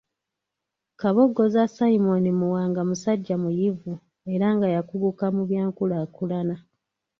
Kabogoza Simon Muwanga musajja muyivu era nga yakuguka mu byankulaakulana.